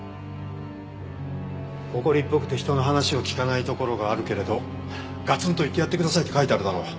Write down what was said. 「怒りっぽくて人の話を聞かないところがあるけれどガツンと言ってやってください」って書いてあるだろ。